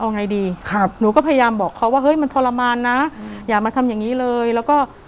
เอาไงดีครับหนูก็พยายามบอกเขาว่าเฮ้ยมันทรมานน่ะ